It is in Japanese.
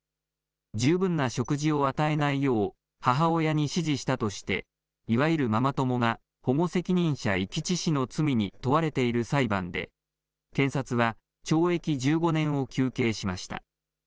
十分な食事を与えないよう母親に指示したとして、いわゆるママ友が、保護責任者遺棄致死の罪に問われている裁判で、検察は懲役１５年を求刑しました。